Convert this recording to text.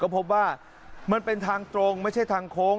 พบว่ามันเป็นทางตรงไม่ใช่ทางโค้ง